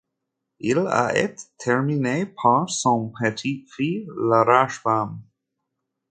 Il a été terminé par son petit-fils, le Rashbam.